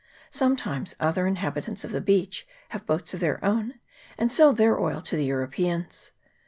Sometimes other inhabitants of the beach have boats of their own, and sell their oil to the Europeans.